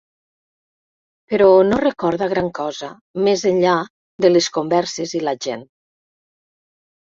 Però no recorda gran cosa, més enllà de les converses i la gent.